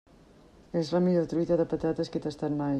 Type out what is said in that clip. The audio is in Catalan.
És la millor truita de patates que he tastat mai.